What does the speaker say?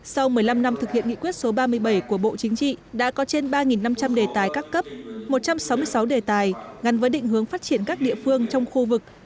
sau một mươi năm năm thực hiện nghị quyết số ba mươi bảy của bộ chính trị đã có trên ba năm trăm linh đề tài các cấp một trăm sáu mươi sáu đề tài ngăn với định hướng phát triển các địa phương trong khu vực